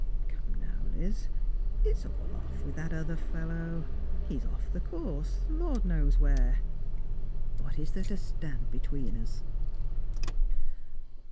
Come now, Liz, it's all off with that other fellow ; he's off the course, the Lord knows whore. What is there to stand between us